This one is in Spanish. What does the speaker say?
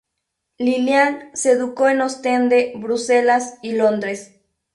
Lilian se educó en Ostende, Bruselas y Londres.